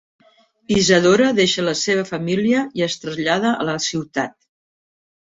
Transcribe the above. Isadora deixa la seva família i es trasllada a la ciutat.